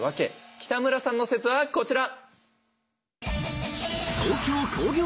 北村さんの説はこちら！